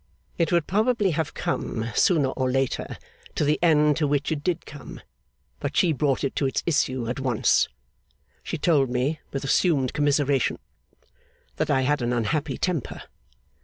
It would probably have come, sooner or later, to the end to which it did come, but she brought it to its issue at once. She told me, with assumed commiseration, that I had an unhappy temper.